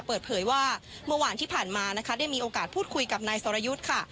เปิดเผยว่าเมื่อวานที่ผ่านมานะคะได้มีโอกาสพูดคุยกับนายสรยุทธ์ค่ะ